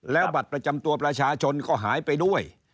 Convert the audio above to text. แล้วบัตรประจำตัวประชาชนก็หายไปด้วย